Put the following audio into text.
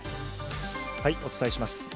お伝えします。